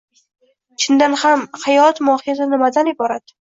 Chindan ham haѐt mohiyati nimadan iborat?